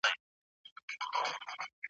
لا تر څو به د پردیو له شامته ګیله من یو `